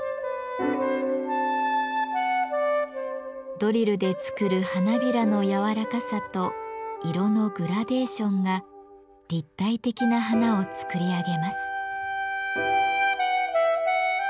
ドリルで作る花びらの柔らかさと色のグラデーションが立体的な花を作り上げます。